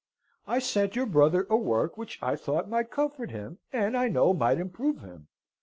" I sent your brother a work which I thought might comfort him, and I know might improve him.